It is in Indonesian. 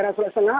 di jakarta sendiri